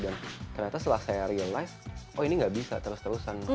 dan ternyata setelah saya realize oh ini gak bisa terus terusan